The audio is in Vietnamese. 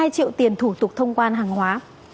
hai triệu tiền thủ tục thông quan hàng hóa